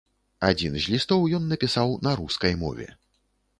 Адзін з лістоў ён напісаў на рускай мове.